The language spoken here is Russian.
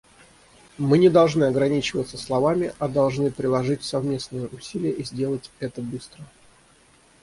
Мы не должны ограничиваться словами, а должны приложить совместные усилия, и сделать это быстро.